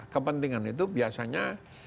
kepentingan itu biasanya